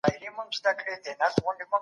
بهرنی سیاست د هیواد د سیاسي بریا تضمین کوي.